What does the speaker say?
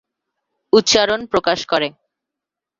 উচ্চারণ প্রকাশ করে।